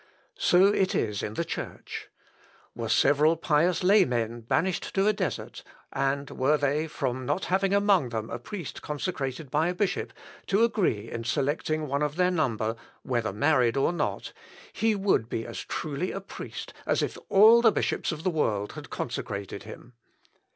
So it is in the Church. Were several pious laymen banished to a desert, and were they, from not having among them a priest consecrated by a bishop, to agree in selecting one of their number, whether married or not, he would be as truly a priest, as if all the bishops of the world had consecrated him.